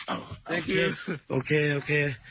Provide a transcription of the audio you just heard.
โอเคโอเคโอเค